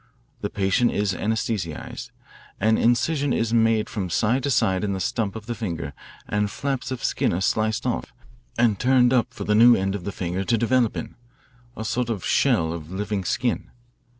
The patient is anaesthetised. An incision is made from side to side in the stump of the finger and flaps of skin are sliced off and turned up for the new end of the finger to develop in a sort of shell of living skin.